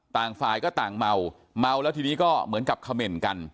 ต่างฝ่ายก็ต่างเมาเมาแล้วทีนี้ก็เหมือนกับเขม่นกัน